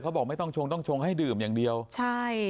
บอกไม่ต้องชงต้องชงให้ดื่มอย่างเดียวใช่